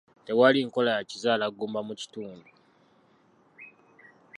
Tewali nkola ya kizaalaggumba mu kitundu.